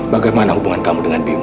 bagaimana hubungan kamu dengan bima